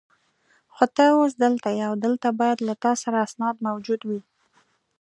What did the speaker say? خو ته اوس دلته یې او دلته باید له تا سره اسناد موجود وي.